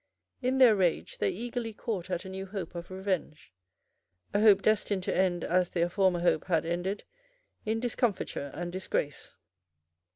In their rage, they eagerly caught at a new hope of revenge, a hope destined to end, as their former hope had ended, in discomfiture and disgrace.